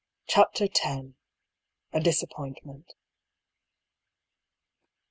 CHAPTER X. A DISAPPOINTMENT.